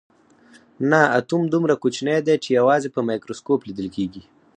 نه اتوم دومره کوچنی دی چې یوازې په مایکروسکوپ لیدل کیږي